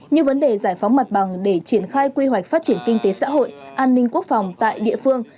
như vấn đề giải phóng mặt bằng để triển khai quy hoạch phát triển kinh tế xã hội an ninh quốc phòng tại địa phương